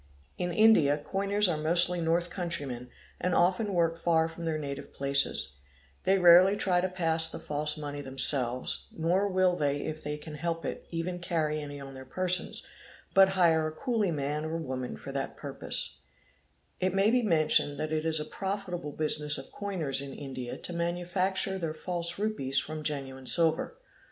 In India coiners are mostly north countrymen and often work far from their native places. They rarely try to pass the false money themselves nor will they if they fan help it even carry any on their persons, but hire a cooly man or LS El A | RN NE lS en ak Nh Sk Ea le A rk a ah OT TT 45 Se ie Peo, et 792 CHEATING AND FRAUD woman for that purpose. It may be mentioned that it is a profitable business of coiners in India to manufacture their false rupees from genuine silver.